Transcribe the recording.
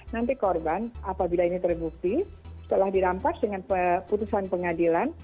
nanti korban apabila ini terbukti setelah dirampas dengan putusan pengadilan